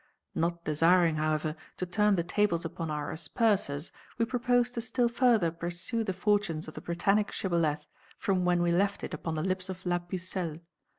Not desiring, however, to turn the tables upon our aspersers, we propose to still further pursue the fortunes of the Britannic shibboleth from when we left it upon the lips of La Pucelle.